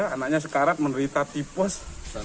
anaknya sekarat menerita tipus